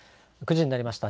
９時になりました。